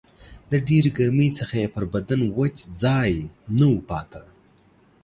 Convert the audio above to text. د ډېرې ګرمۍ څخه یې پر بدن وچ ځای نه و پاته